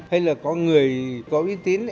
hay là có người có uy tín